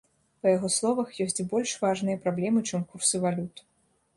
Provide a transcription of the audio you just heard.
Па яго словах, ёсць больш важныя праблемы, чым курсы валют.